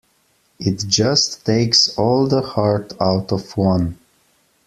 It just takes all the heart out of one.